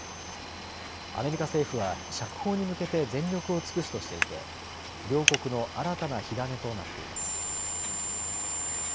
アメリカ政府は釈放に向けて全力を尽くすとしていて両国の新たな火種となっています。